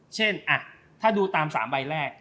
เช่นถ้าดูตาม๓ใบแรก